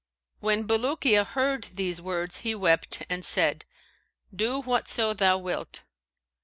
When Bulukiya heard these words he wept and said, 'Do whatso thou wilt.'